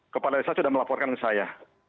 kepala desa sudah melaporkan ke saya